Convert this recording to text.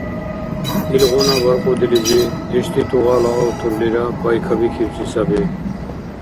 Илгъуна баркьудилизи ишди тугъала авторлира пай кабихьибси саби.